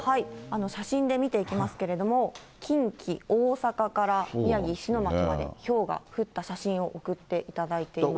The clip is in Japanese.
写真で見ていきますけれども、近畿、大阪から、宮城・石巻までひょうが降った写真を送っていただいています。